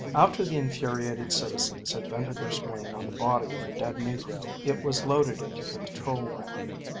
After the infuriated citizens had vented their spleen on the body of the dead Negro it was loaded into the patrol wagon.